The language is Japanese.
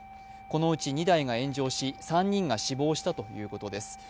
このうち２台が炎上し３人が死亡したということです。